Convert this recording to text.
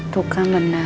tuh kan bener